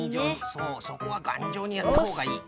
そうそこはがんじょうにやったほうがいい。